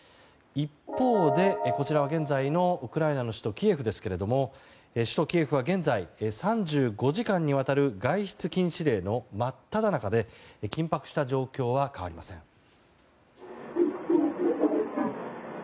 一方で、こちらは現在のウクライナの首都キエフですけれども首都キエフは３５時間にわたる外出禁止令のまっただ中で緊迫した状況は変わりません。